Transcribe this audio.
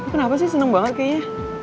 kenapa sih seneng banget kayaknya